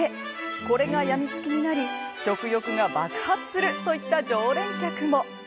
これが病みつきになり食欲が爆発するといった常連客も。